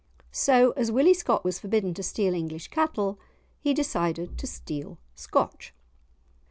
So as Willie Scott was forbidden to steal English cattle, he decided to steal Scotch.